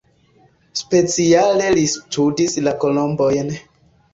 Speciale li studis la kolombojn.